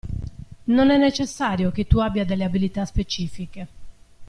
Non è necessario che tu abbia delle abilità specifiche.